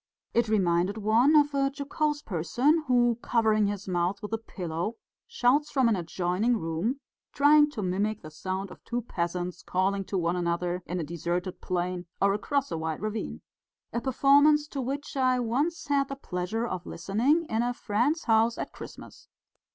It reminded one of a jocose person who, covering his mouth with a pillow, shouts from an adjoining room, trying to mimic the sound of two peasants calling to one another in a deserted plain or across a wide ravine a performance to which I once had the pleasure of listening in a friend's house at Christmas.